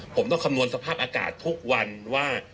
ผมต้องคำนวณสภาพอากาศทุกวันว่า